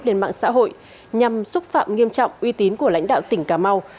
lên mạng xã hội nhằm xúc phạm nghiêm trọng uy tín của lãnh đạo tỉnh cà mau